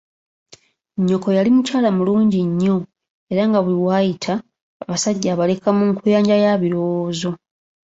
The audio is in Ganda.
Nnyoko yali mukyala mulungi nnyo era nga buli waayita abasajja abaleka mu nkuyanja ya birowoozo.